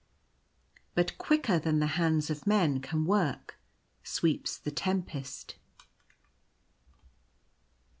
But quicker than the hands of men can work sweeps the tempest.